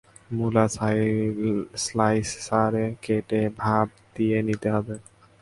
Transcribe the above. মুলা স্লাইসারে কেটে ভাঁপ দিয়ে নিতে হবে।